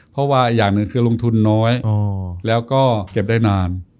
เพราะว่าอีกอย่างหนึ่งคือลงทุนน้อยแล้วก็เก็บได้นาน